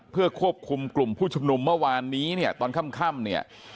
เพื่อควบคุมกลุ่มผู้ชมนุมเมื่อวานนี้ตอนค่ำ